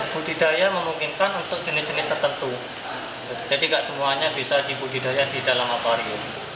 budidaya memungkinkan untuk jenis jenis tertentu jadi tidak semuanya bisa dibudidaya di dalam akwarium